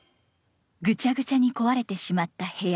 ぐちゃぐちゃに壊れてしまった部屋。